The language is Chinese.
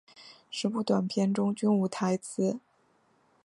十部短片中均无台词。